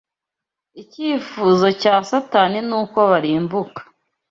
Icyifuzo cya Satani nuko barimbuka